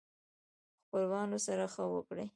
خپلوانو سره ښه وکړئ